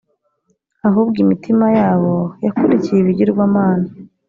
ahubwo imitima yabo yakurikiye ibigirwamana